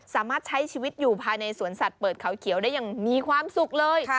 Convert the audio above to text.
สามารถใช้ชีวิตอยู่ภายในสวนสัตว์เปิดเขาเขียวได้อย่างมีความสุขเลย